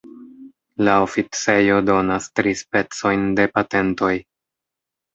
La oficejo donas tri specojn de patentoj.